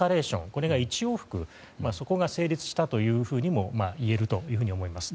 これが１往復そこが成立したともいえると思います。